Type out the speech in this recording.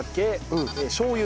しょう油。